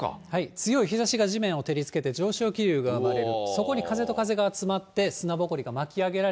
強い日ざしが地面を照りつけて、上昇気流が生まれる。